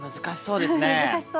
難しそうですね。